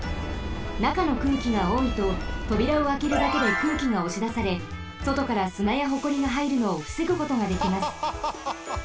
なかの空気がおおいととびらをあけるだけで空気がおしだされそとからすなやホコリがはいるのをふせぐことができます。